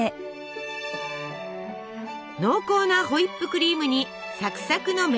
濃厚なホイップクリームにサクサクのメレンゲ。